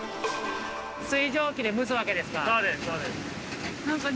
◆水蒸気で蒸すわけですか。